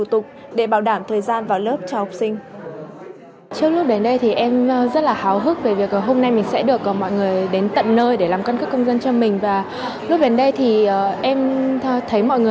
truyền thông truyền thông truyền thông truyền thông